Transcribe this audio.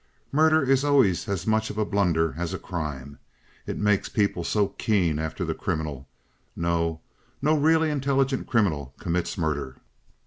Murder is always as much of a blunder as a crime. It makes people so keen after the criminal. No: no really intelligent criminal commits murder."